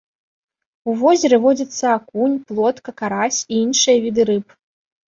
У возеры водзяцца акунь, плотка, карась і іншыя віды рыб.